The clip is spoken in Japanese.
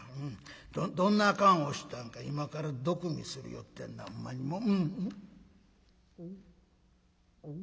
どんな燗をしたんか今から毒味するよってんなほんまにもう」。